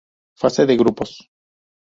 Fase de grupos